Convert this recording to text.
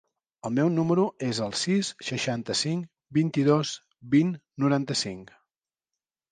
El meu número es el sis, seixanta-cinc, vint-i-dos, vint, noranta-cinc.